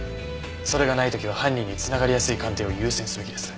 それがない時は犯人に繋がりやすい鑑定を優先すべきです。